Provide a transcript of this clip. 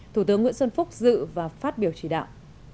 thủ tướng nguyễn xuân phúc dự và phát biểu chỉ đạo